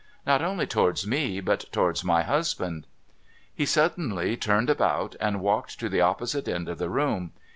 Not only towards me, but towards my husband.' He suddenly turned about, and walked to the opposite end of the room.